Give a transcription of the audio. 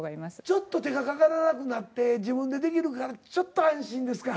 ちょっと手がかからなくなって自分でできるからちょっと安心ですか。